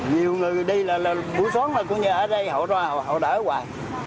nhiều người đi là buổi sáng là ở đây họ đỡ hoài